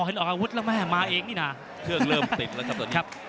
หรือว่าจะเดินเข้าไปหลงเหลี่ยมครับ